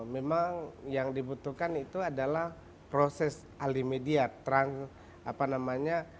memang yang dibutuhkan itu adalah proses alimedia